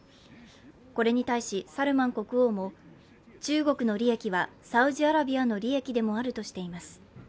これに対し、サルマン国王も中国の利益はサウジアラビアの利益でもあるとしています。